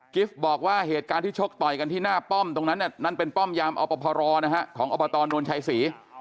บอกว่าเหตุการณ์ที่ชกต่อยกันที่หน้าป้อมตรงนั้นนั่นเป็นป้อมยามอพรนะฮะของอบตนวลชัยศรี